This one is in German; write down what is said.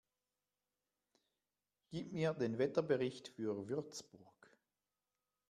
Gib mir den Wetterbericht für Würzburg